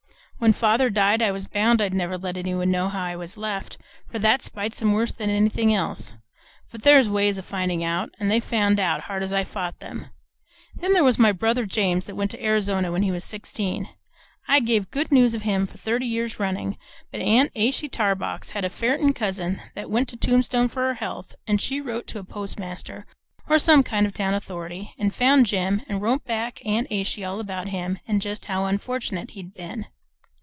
When father died I was bound I'd never let anybody know how I was left, for that spites 'em worse than anything else; but there's ways o' findin' out, an' they found out, hard as I fought 'em! Then there was my brother James that went to Arizona when he was sixteen. I gave good news of him for thirty years runnin', but aunt Achsy Tarbox had a ferretin' cousin that went out to Tombstone for her health, and she wrote to a postmaster, or to some kind of a town authority, and found Jim and wrote back aunt Achsy all about him and just how unfortunate he'd been.